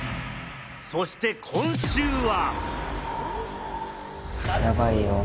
そして今週は。